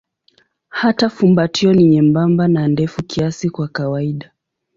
Hata fumbatio ni nyembamba na ndefu kiasi kwa kawaida.